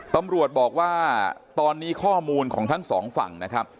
ตำรวจบอกว่าตอนนี้ข้อมูลของทั้งสองฝั่งนะครับ